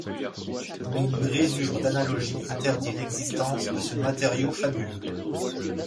Mais une brisure d’analogie interdit l'existence de ce matériau fabuleux.